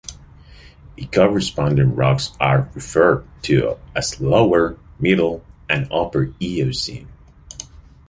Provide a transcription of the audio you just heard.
The corresponding rocks are referred to as lower, middle, and upper Eocene.